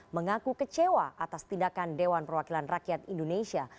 mengaku kecewa atas tindakan dewan perwakilan rakyat indonesia